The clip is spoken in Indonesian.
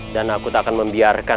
dan aku tak akan membiarkan